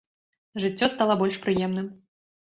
Жыццё стала больш прыемным.